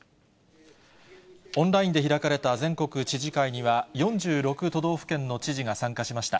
オンラインで開かれた全国知事会には、４６都道府県の知事が参加しました。